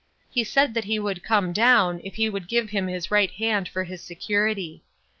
He said that he would come down, if he would give him his right hand for his security.